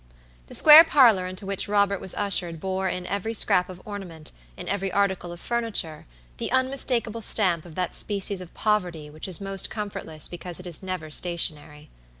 The square parlor into which Robert was ushered bore in every scrap of ornament, in every article of furniture, the unmistakable stamp of that species of poverty which is most comfortless because it is never stationary.